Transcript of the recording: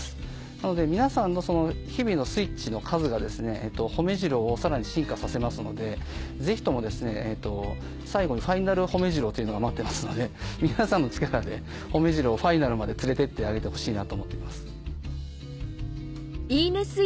なので皆さんの日々のスイッチの数がほめジローをさらに進化させますのでぜひとも最後にファイナルほめジローというのが待ってますので皆さんの力でほめジローをファイナルまで連れてってあげてほしいなと思っています。